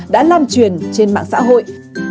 đã lan truyền trên mạng xã hội